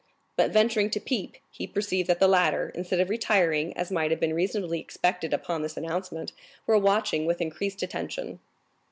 But venturing to peep, he perceived that the latter, instead of retiring, as might have been reasonably expected upon this announcement, were watching with increased attention.